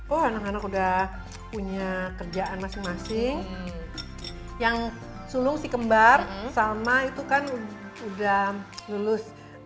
oh anak anak udah punya kerjaan masing masing yang sulung si kembar salma itu kan udah lulus